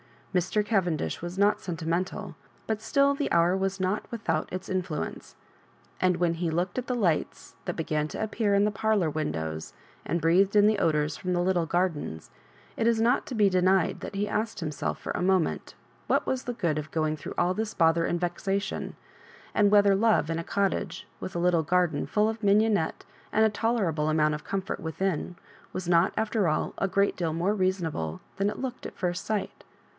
Mr. Cavendish was not senti mental, but still the hour was not without its in fluence; and when he looked at the lights that began to appear in the parlour windows, and breathed in the odours from the little gardens, it is not to be denied that he asked himself for a moment what was the good of going through all this bother and vexation, and whether love in a cottage, with a little garden full of mignonette and a t<derable amount of comfort within, was not, after all, a great deal more reasonable than it looked at first sight?